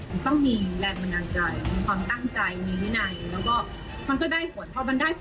มันต้องมีแรงบันดาลใจมีความตั้งใจมีวินัย